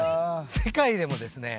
世界でもですね